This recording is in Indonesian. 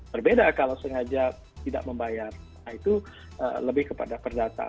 berbeda kalau sengaja tidak membayar itu lebih kepada perdata